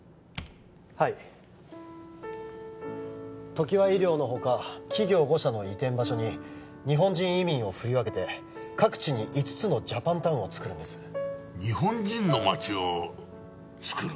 はい常盤医療のほか企業五社の移転場所に日本人移民を振り分けて各地に五つのジャパンタウンをつくるんです日本人の街をつくる？